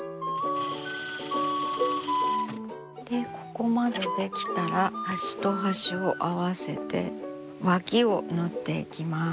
でここまで出来たら端と端を合わせて脇を縫っていきます。